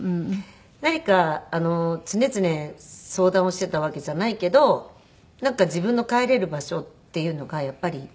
何か常々相談をしていたわけじゃないけどなんか自分の帰れる場所っていうのがやっぱり。